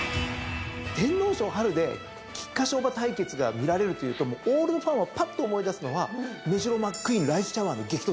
天皇賞で菊花賞馬対決が見られるというとオールドファンはパッと思い出すのはメジロマックイーンライスシャワーの激突なんです。